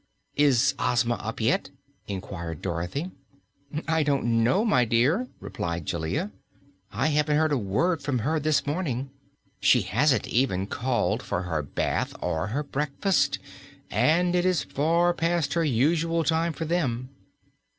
"Is Ozma up yet?" inquired Dorothy. "I don't know, my dear," replied Jellia. "I haven't heard a word from her this morning. She hasn't even called for her bath or her breakfast, and it is far past her usual time for them."